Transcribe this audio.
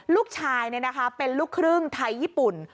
ลูกชายเป็นลูกครึ่งไทยญี่ปุ่น